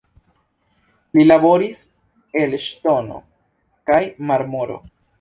Li laboris el ŝtono kaj marmoro.